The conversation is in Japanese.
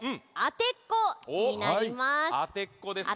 あてっこですか。